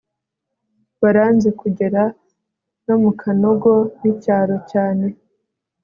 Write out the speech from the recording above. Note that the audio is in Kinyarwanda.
baranzi kugera no mukanogon' icyaro cyane